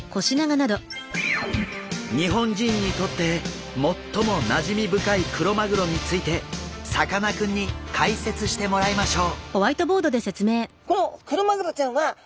日本人にとって最もなじみ深いクロマグロについてさかなクンに解説してもらいましょう。